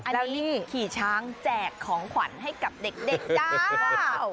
อันนี้ขี่ช้างแจกของขวัญให้กับเด็กก้าว